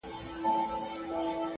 هره ورځ د غوره کېدو نوی انتخاب دی